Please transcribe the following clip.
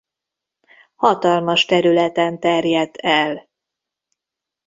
Hatalmas területen terjedt el.